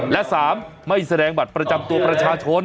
และ๓ไม่แสดงบัตรประจำตัวประชาชน